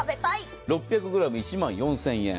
６００ｇ・１万４０００円。